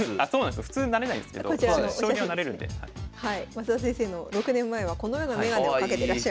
増田先生の６年前はこのような眼鏡をかけてらっしゃいました。